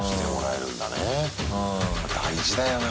大事だよな。